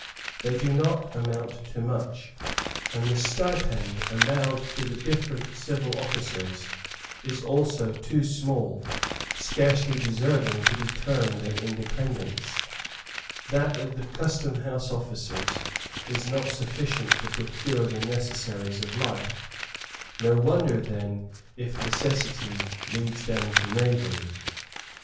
They do not amount to much. And the stipend allowed to the different civil officers is also too small, scarcely deserving to be termed an independence; that of the custom house officers is not sufficient to procure the necessaries of life no wonder, then, if necessity leads them to knavery.